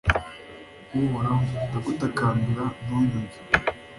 uhoraho, ndagutakambira ntunyumve